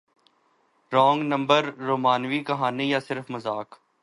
wrong number رومانوی کہانی یا صرف مذاق